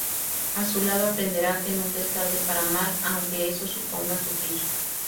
A su lado aprenderá que nunca es tarde para amar, aunque eso suponga sufrir.